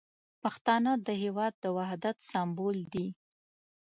پښتانه د هیواد د وحدت سمبول دي.